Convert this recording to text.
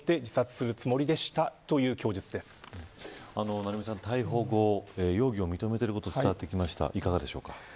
成三さん、逮捕後容疑を認めていることが伝わってきましたがいかがですか。